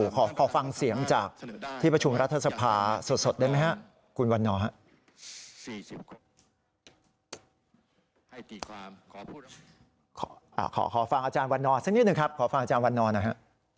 ขอฟังอาจารย์วันนอร์สักนิดหนึ่งครับขอฟังอาจารย์วันนอร์นะครับ